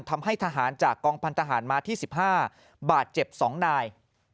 ทำให้ทหารจากกองพันธหารมาที่๑๕บาดเจ็บ๒นาย